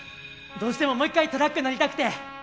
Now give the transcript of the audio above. どうしてももう一回トラック乗りたくて。